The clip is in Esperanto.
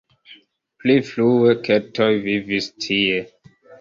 Pli frue keltoj vivis tie.